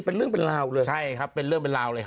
เป็นเรื่องเป็นราวเลย